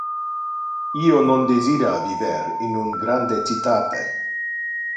Io non desira viver in un grande citate.